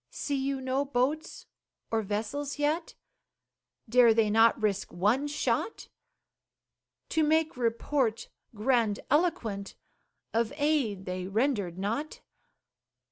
See you no boats or vessels yet? Dare they not risk one shot, To make report grandiloquent Of aid they rendered not?